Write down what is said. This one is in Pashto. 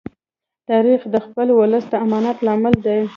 تاریخ د خپل ولس د امانت لامل دی.